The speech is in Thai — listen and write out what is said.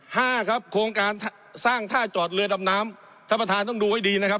ห้าครับโครงการสร้างท่าจอดเรือดำน้ำท่านประธานต้องดูให้ดีนะครับ